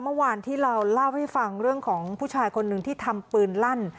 เมื่อวานที่เราเล่าให้ฟังเรื่องของผู้ชายคนหนึ่งที่ทำปืนลั่น